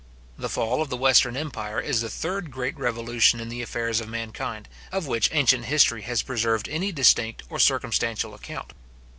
The fall of the western empire is the third great revolution in the affairs of mankind, of which ancient history has preserved any distinct or circumstantial account.